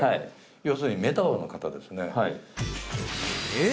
要するにメタボの方ですねえっ